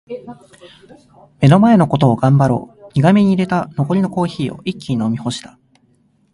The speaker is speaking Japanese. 「目の前のことを頑張ろう」苦めに淹れた残りのコーヒーを一気に飲み干した。